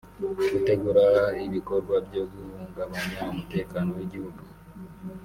gutegura ibikorwa byo guhungabanya umutekano w’igihugu